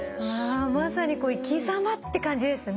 まさに生き様って感じですね。